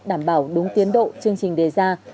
đảm bảo đúng tiến độ chương trình đề ra